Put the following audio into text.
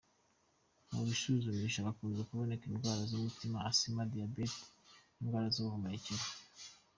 Mu bisuzumisha, hakunze kuboneka indwara z’umutima, Asima, diabète n’indwara z’ubuhumekero.